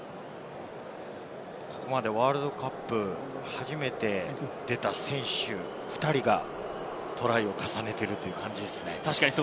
ここまでワールドカップ初めて出た選手２人がトライを重ねているという感じですね。